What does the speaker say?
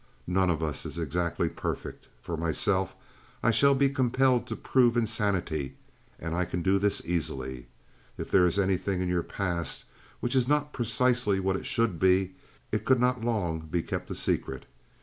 None of us is exactly perfect. For myself I shall be compelled to prove insanity, and I can do this easily. If there is anything in your past which is not precisely what it should be it could not long be kept a secret.